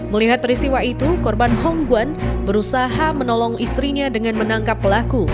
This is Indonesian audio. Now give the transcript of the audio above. melihat peristiwa itu korban hong guan berusaha menolong istrinya dengan menangkap pelaku